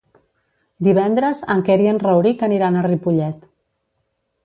Divendres en Quer i en Rauric aniran a Ripollet.